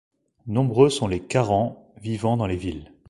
Nombreux sont les Karens vivant dans les villes.